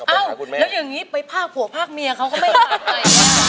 อ้าวแล้วอย่างงี้ไปพากับผักพากับเมียเขาก็ไม่ได้